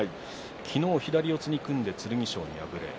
昨日、左四つに組んで剣翔に敗れ